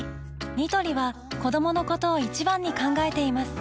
ニトリは子どものことを一番に考えています